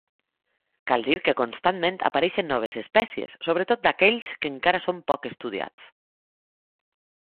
Cal dir que constantment apareixen noves espècies, sobretot d'aquells que encara són poc estudiats.